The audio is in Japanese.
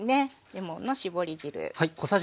レモンの搾り汁。